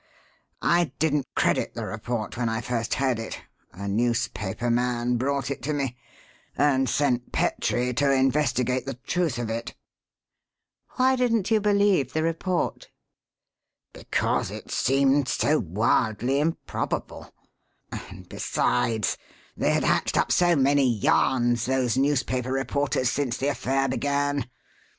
I didn't credit the report when I first heard it (a newspaper man brought it to me), and sent Petrie to investigate the truth of it." "Why didn't you believe the report?" "Because it seemed so wildly improbable. And, besides, they had hatched up so many yarns, those newspaper reporters, since the affair began.